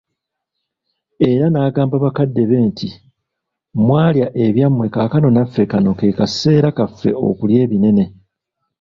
Era n'agamba bakadde be nti, mwalya ebyammwe kaakano naffe kano ke kaseera kaffe okulya ebinene .